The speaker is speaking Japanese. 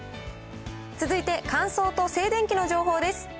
続いて乾燥と静電気の情報です。